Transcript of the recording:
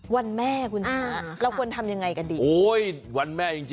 วันแม่คุณน้อง